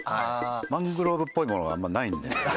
マングローブっぽいものがあんまりないんだよ。